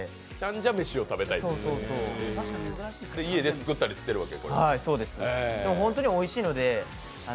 家でこれを作ったりしてるわけ？